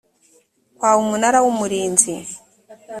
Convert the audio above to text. kwawe umunara w umurinzi